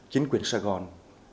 chính quyền sài gòn